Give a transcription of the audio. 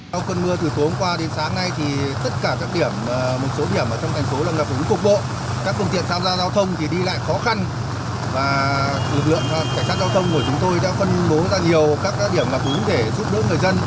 sau cơn mưa từ tối hôm qua đến sáng nay tất cả các điểm một số điểm trong thành phố là ngập hứng cục bộ